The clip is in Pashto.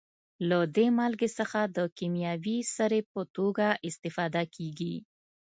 له دې مالګې څخه د کیمیاوي سرې په توګه استفاده کیږي.